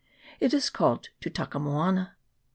It is called Tutaka moana.